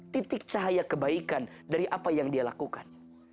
titik cahaya kebaikan dari apa yang dia lakukan